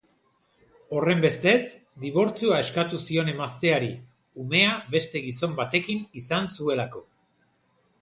Horrenbestez, dibortzioa eskatu zion emazteari, umea beste gizon batekin izan zuelako.